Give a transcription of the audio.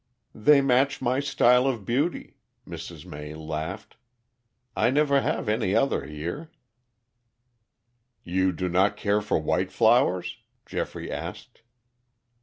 "They match my style of beauty," Mrs. May laughed. "I never have any other here." "You do not care for white flowers?" Geoffrey asked.